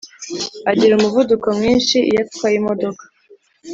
agira umuvuduko mwinshi iyo atwaye imodoka